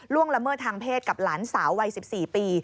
ล่วงละเมอร์ทางเพศกับหลานสาววัย๑๔ปี